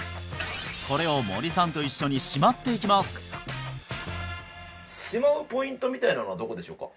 これを森さんと一緒にしまっていきますしまうポイントみたいなのはどこでしょうか？